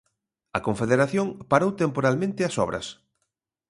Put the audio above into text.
A Confederación parou temporalmente as obras.